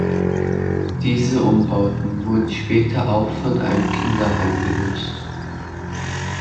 Diese Umbauten wurden später auch von einem Kinderheim genutzt.